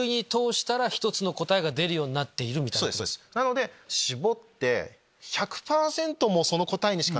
なので絞って。